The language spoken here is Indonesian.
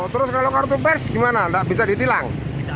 terus kalau kartu pers gimana nggak bisa ditilang